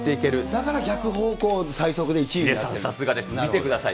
だから逆方向、最速で１位にヒデさん、さすがです、見てください。